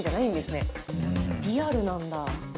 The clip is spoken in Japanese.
リアルなんだ。